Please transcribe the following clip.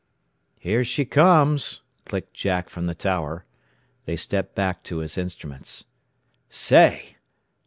"Here she comes," clicked Jack from the tower. They stepped back to his instruments. "Say!